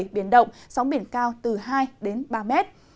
biển động sóng biển cao từ hai ba mét